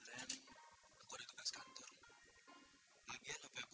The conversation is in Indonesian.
dan sekarang jatuh di tangan mas